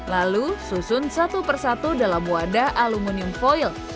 lalu susun satu persatu dalam wadah aluminium foil